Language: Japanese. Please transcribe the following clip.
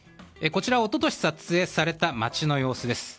こちらは、一昨年撮影された街の様子です。